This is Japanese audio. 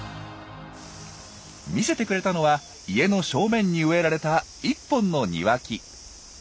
見せてくれたのは家の正面に植えられた１本の庭木。